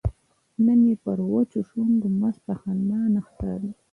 نن یې پر وچو شونډو مسته خندا نه ښکاریږي